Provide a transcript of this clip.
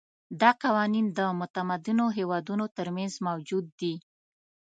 دا قوانین د متمدنو هېوادونو ترمنځ موجود دي.